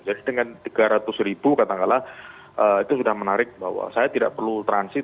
jadi dengan tiga ratus katanggalah itu sudah menarik bahwa saya tidak perlu transit